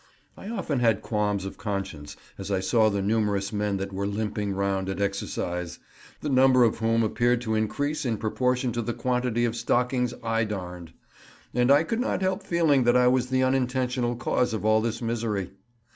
I often had qualms of conscience as I saw the numerous men that were limping round at exercise—the number of whom appeared to increase in proportion to the quantity of stockings I darned—and I could not help feeling that I was the unintentional cause of all this misery.